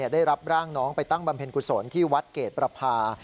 ได้รับร่างน้องไปตั้งบำเพ็ญกุศลที่วัดเกรดประพา